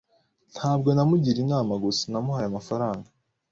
Ntabwo namugiriye inama gusa, namuhaye amafaranga.